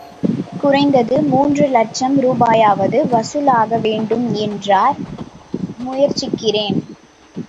குறைந்தது மூன்று லட்சம் ரூபாயாவது வசூல் ஆக வேண்டும் என்றார் முயற்சிக்கிறேன்.